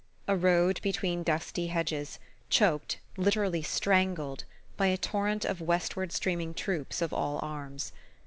A road between dusty hedges, choked, literally strangled, by a torrent of westward streaming troops of all arms.